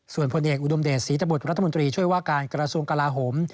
ส่วนผลเอกอุดมเดชศรีตบุตรรัฐมนตรีช่วยว่าการกระทรวงกลาโหม